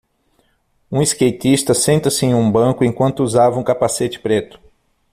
Um skatista senta-se em um banco enquanto usava um capacete preto.